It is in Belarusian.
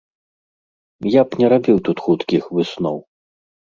Я б не рабіў тут хуткіх высноў.